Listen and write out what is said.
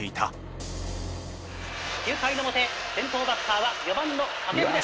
９回の表先頭バッターは４番の掛布です。